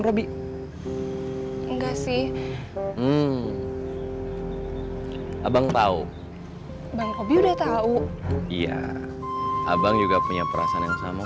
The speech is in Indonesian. robby enggak sih abang tahu bang robby udah tahu iya abang juga punya perasaan yang sama sama rum